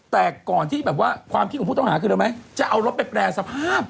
แต่ก่อนที่แบบว่าความคิดของผู้ต้องหาคืออะไรไหมจะเอารถไปแปรสภาพ